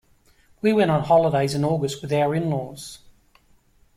We went on holiday in August with our in-laws.